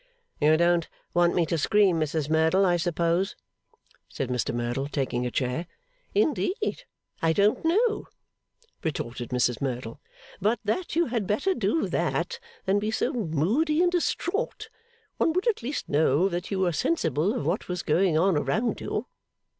'You don't want me to scream, Mrs Merdle, I suppose,' said Mr Merdle, taking a chair. 'Indeed I don't know,' retorted Mrs Merdle, 'but that you had better do that, than be so moody and distraught. One would at least know that you were sensible of what was going on around you.